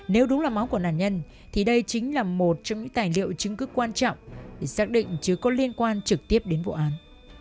nếu đúng là máu của nạn nhân thì đây chính là một trong những tài liệu chứng cứ quan trọng để xác định chứ có liên quan trực tiếp đến vụ án